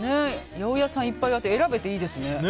八百屋さんいっぱいあって選べていいですね。